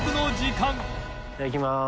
いただきます。